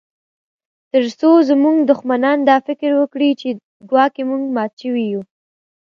ترڅو زموږ دښمنان دا فکر وکړي چې ګواکي موږ مات شوي یو